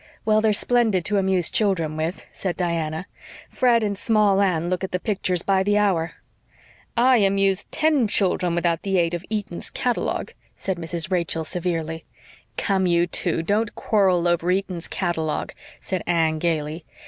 "Well, they're splendid to amuse children with," said Diana. "Fred and Small Anne look at the pictures by the hour." "I amused ten children without the aid of Eaton's catalogue," said Mrs. Rachel severely. "Come, you two, don't quarrel over Eaton's catalogue," said Anne gaily.